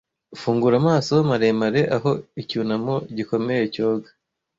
fungura amaso maremare aho icyunamo gikomeye cyoga